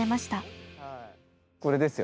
これですよ。